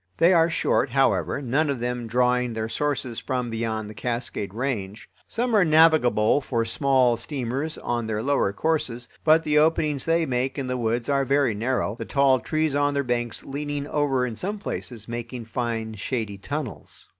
They are short, however, none of them drawing their sources from beyond the Cascade Range. Some are navigable for small steamers on their lower courses, but the openings they make in the woods are very narrow, the tall trees on their banks leaning over in some places, making fine shady tunnels.